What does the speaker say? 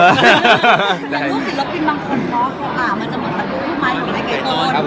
แต่รูปศิลปินบางคนบอกว่ามันจะเหมือนกับผู้ไม้อยู่ในแก่ต้น